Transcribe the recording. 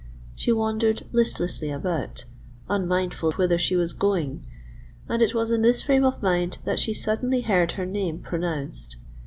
She wandered listlessly about—unmindful whither she was going; and it was in this frame of mind that she suddenly heard her name pronounced.